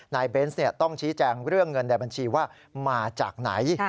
เบนส์ต้องชี้แจงเรื่องเงินในบัญชีว่ามาจากไหน